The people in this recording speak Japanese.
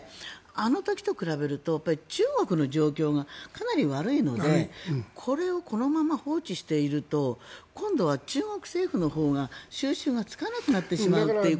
あの時と比べると中国の状況がかなり悪いのでこれをこのまま放置していると今度は中国政府のほうが収拾がつかなくなってしまうことも。